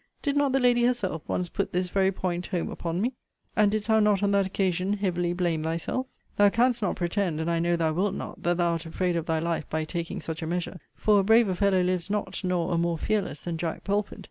Did not the lady herself once putt his very point home upon me? And didst thou not, on that occasion, heavily blame thyself?* * See Vol. VII. Letter XXI. Thou canst not pretend, and I know thou wilt not, that thou wert afraid of thy life by taking such a measure: for a braver fellow lives not, nor a more fearless, than Jack Belford.